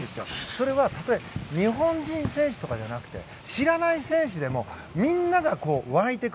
それはたとえ日本人選手とかじゃなくて知らない選手でもみんなが沸いていく。